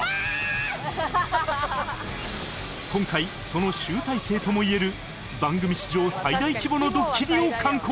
今回その集大成ともいえる番組史上最大規模のドッキリを敢行！